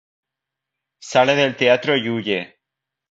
Sale del teatro y huye.